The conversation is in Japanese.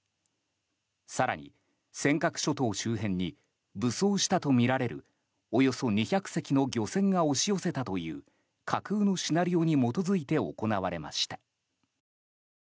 更に尖閣諸島周辺に武装したとみられるおよそ２００隻の漁船が押し寄せたという架空のシナリオに基づいて行われました。